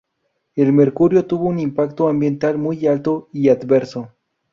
El mercurio tuvo un impacto ambiental muy alto y adverso.